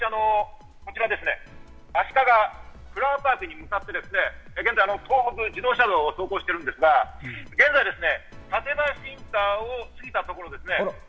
あしかがフラワーパークに向かって現在、東北自動車道を走行しているんですが、館林インターを今、出たところですね。